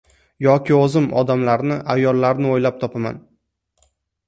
Yoki o’zim odamlarni, ayollarni o’ylab topaman